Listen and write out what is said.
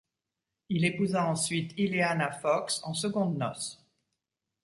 Il épousa ensuite Ileana Fox en secondes noces.